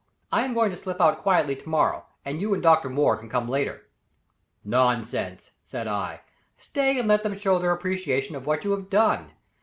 I am going to slip out quietly tomorrow, and you and Dr. Moore can come later." "Nonsense," said I, "stay and let them show their appreciation of what you have done.